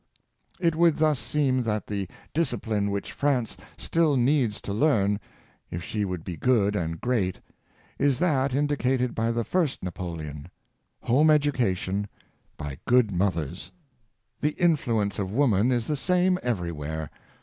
It would thus seem that the disci pline which France still needs to learn, if she would be good and great, is that indicated by the first Napoleon — home education by good mothers. The influence of woman is the same everywhere.